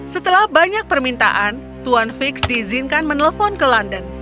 setelah banyak permintaan tuan fix diizinkan menelpon ke london